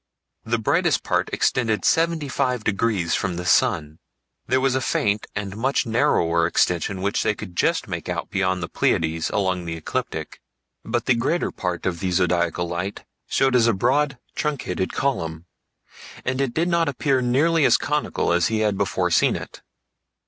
The brightest part extended 75° from the sun. There was a faint and much narrower extension which they could just make out beyond the Pleiades along the ecliptic, but the greater part of the Zodiacal Light showed as a broad truncated column, and it did not appear nearly as conical as he had before seen it.